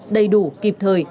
đầy đủ kịp thời